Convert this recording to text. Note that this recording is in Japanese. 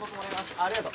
ありがとう。